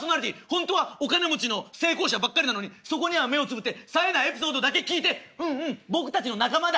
ほんとはお金持ちの成功者ばっかりなのにそこには目をつむってさえないエピソードだけ聴いて「うんうん僕たちの仲間だ」。